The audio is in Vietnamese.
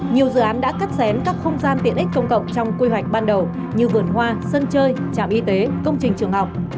nhiều dự án đã cắt xén các không gian tiện ích công cộng trong quy hoạch ban đầu như vườn hoa sân chơi trạm y tế công trình trường học